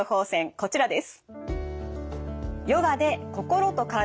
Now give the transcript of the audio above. こちらです。